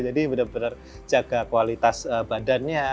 jadi benar benar jaga kualitas badannya